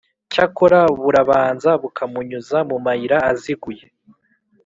cyakora burabanza bukamunyuza mu mayira aziguye,